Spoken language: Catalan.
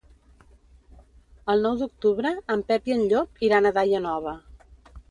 El nou d'octubre en Pep i en Llop iran a Daia Nova.